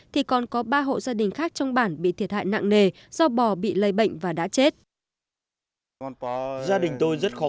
thì còn có ba hộ gia đình khác trong bản bị thiệt hại nặng nề do bò bị lây bệnh và đã chết